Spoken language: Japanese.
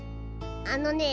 あのね